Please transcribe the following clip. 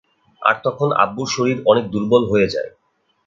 আর তখন আব্বুর শরীর অনেক দূর্বল হয়ে যায়।